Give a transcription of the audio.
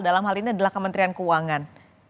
dalam hal ini adalah kementerian keuangan